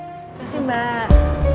terima kasih mbak